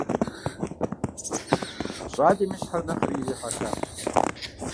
Щӏалэм и щхьэр нэхъри ирихьэхащ.